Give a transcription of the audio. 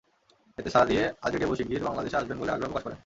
এতে সাড়া দিয়ে আজেভেডো শিগগির বাংলাদেশে আসবেন বলে আগ্রহ প্রকাশ করেন।